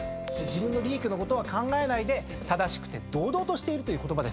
自分の利益のことは考えないで正しくて堂々としているという言葉です。